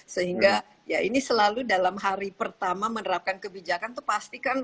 sehingga ya ini selalu dalam hari pertama menerapkan kebijakan tuh pasti kebijakan baru